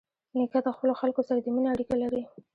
نیکه د خپلو خلکو سره د مینې اړیکه لري.